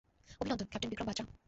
অভিনন্দন, ক্যাপ্টেন বিক্রম বাতরা!